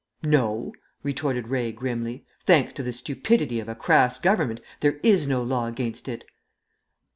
"No," retorted Ray grimly, "thanks to the stupidity of a crass Government, there is no law against it."